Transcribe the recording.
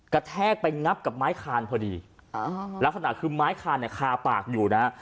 แทกไปงับกับไม้คานพอดีลักษณะคือไม้คานเนี่ยคาปากอยู่นะฮะ